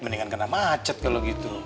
mendingan kena macet kalau gitu